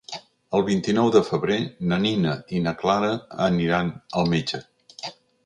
El vint-i-nou de febrer na Nina i na Clara aniran al metge.